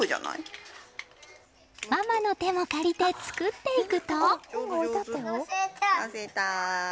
ママの手も借りて作っていくと。